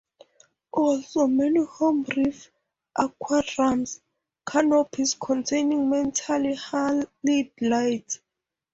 Also, many home reef aquariums canopies containing metal halide lights.